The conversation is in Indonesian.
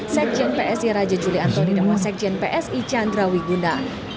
sekjen psi raja juli antoni dan wasekjen psi chandra wigunda